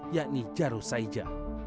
yakni jaruh saeja